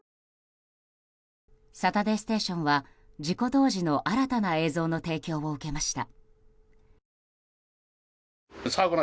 「サタデーステーション」は事故当時の新たな映像の提供を受けました。